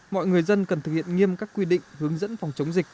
mọi người dân cần thực hiện nghiêm các quy định hướng dẫn phòng chống dịch